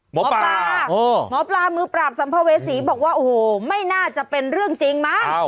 หมอปลาหมอปลามือปราบสัมภเวษีบอกว่าโอ้โหไม่น่าจะเป็นเรื่องจริงมั้ง